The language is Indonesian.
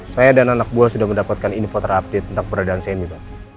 saya dan anak buah sudah mendapatkan info terupdate tentang peradaan saya ini pak